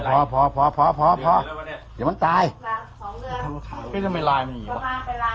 พอพอพอพอพอพออย่ามันตายจำไมลายมันอยู่อ่ะ